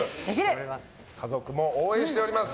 家族も応援しております。